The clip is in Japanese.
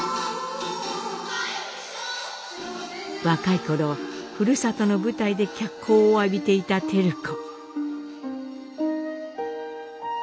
若い頃ふるさとの舞台で脚光を浴びていた照子。